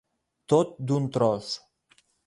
Tot d'un tros.